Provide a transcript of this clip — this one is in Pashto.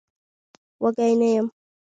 وږی نه يم.